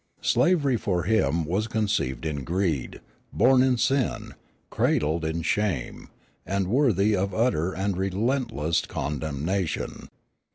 Slavery for him was conceived in greed, born in sin, cradled in shame, and worthy of utter and relentless condemnation.